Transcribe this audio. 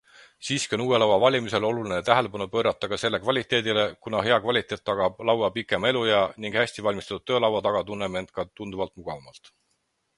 Siiski on uue laua valimisel oluline tähelepanu pöörata ka selle kvaliteedile, kuna hea kvaliteet tagab laua pikema eluea ning hästi valmistatud töölaua taga tunneme end ka tunduvalt mugavamalt.